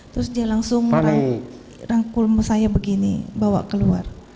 terus dia langsung rangkul saya begini bawa keluar